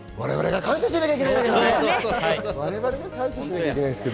我々が感謝しなきゃいけないですね。